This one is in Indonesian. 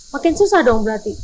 makin susah dong berarti